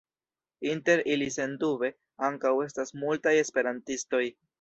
Inter ili sendube ankaŭ estas multaj esperantistoj.